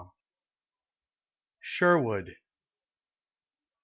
SHERWOOD.